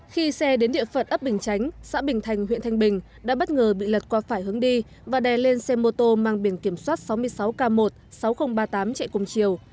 khi xe đến địa phận ấp bình chánh xã bình thành huyện thanh bình đã bất ngờ bị lật qua phải hướng đi và đè lên xe mô tô mang biển kiểm soát sáu mươi sáu k một mươi sáu nghìn ba mươi tám chạy cùng chiều